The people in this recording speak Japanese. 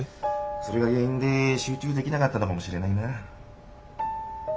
それが原因で集中できなかったのかもしれないな。